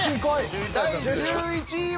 第１１位は。